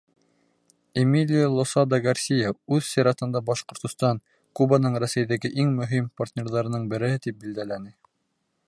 Эмилио Лосада Гарсиа, үҙ сиратында, Башҡортостан — Кубаның Рәсәйҙәге иң мөһим партнерҙарының береһе, тип билдәләне.